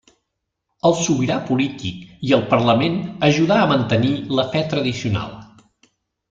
El sobirà polític i el Parlament ajudà a mantenir la fe tradicional.